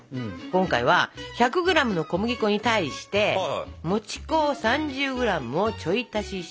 今回は１００ｇの小麦粉に対してもち粉を３０ｇをちょい足しします。